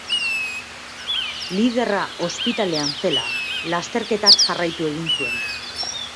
Liderra ospitalean zela, lasterketak jarraitu egin zuen.